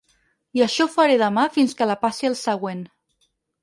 I això faré demà fins que la passi al següent.